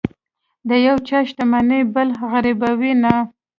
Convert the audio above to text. د یو چا شتمني بل غریبوي نه.